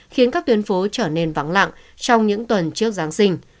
khiến các tuyến phố trở nên vắng lặng trong những tuần trước giáng sinh